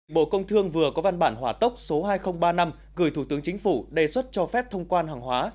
bộ công thương vừa có văn bản hòa tốc số hai nghìn ba mươi năm gửi thủ tướng chính phủ đề xuất cho phép thông quan hàng hóa